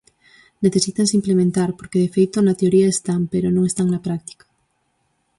Necesítanse implementar, porque, de feito, na teoría están pero non están na práctica.